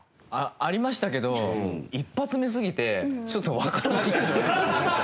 ありましたけど一発目すぎてちょっとわからなくなっちゃいました。